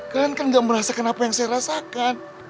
kalian kan gak merasakan apa yang saya rasakan